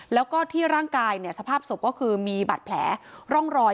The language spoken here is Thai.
แล้วก็ที่ร่างกายเนี่ยสภาพศพก็คือมีบาดแผลร่องรอย